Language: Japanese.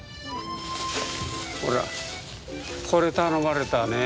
ほらこれ頼まれたね